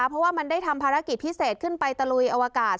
เพราะว่ามันได้ทำภารกิจพิเศษขึ้นไปตะลุยอวกาศ